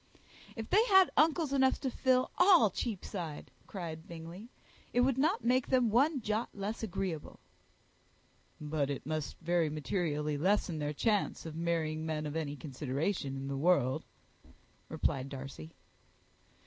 "If they had uncles enough to fill all Cheapside," cried Bingley, "it would not make them one jot less agreeable." "But it must very materially lessen their chance of marrying men of any consideration in the world," replied Darcy.